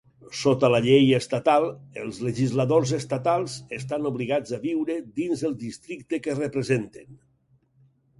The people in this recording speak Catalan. Sota la llei estatal, els legisladors estatals estan obligats a viure dins el districte que representen.